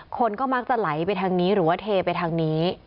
คนก็มักจะไหลไปทางนี้หรือว่าเทไปทางนี้